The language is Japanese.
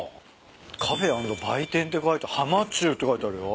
「カフェ＆売店」って書いて「ハマチュー」って書いてあるよ。